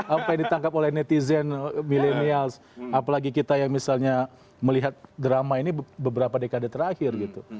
apa yang ditangkap oleh netizen milenials apalagi kita yang misalnya melihat drama ini beberapa dekade terakhir gitu